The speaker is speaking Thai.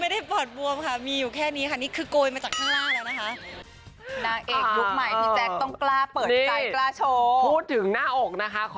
เปิดบวมค่ะมีอยู่แค่นี้ค่ะนี่คือโกยมาจากข้างล่างแล้วนะคะ